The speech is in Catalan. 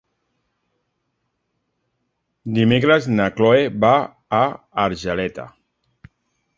Dimecres na Chloé va a Argeleta.